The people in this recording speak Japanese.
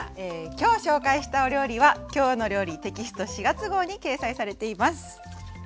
きょう紹介したお料理は「きょうの料理」テキスト４月号に掲載されています。